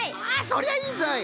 そりゃいいぞい！